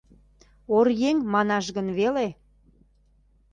Оръеҥ манаш гын веле?